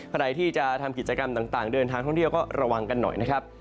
ใครที่จะทำกิจกรรมต่างเดินทางท่องเที่ยวก็ระวังกันหน่อยนะครับ